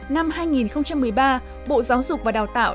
năm hai nghìn một mươi ba bộ giáo dục và đào tạo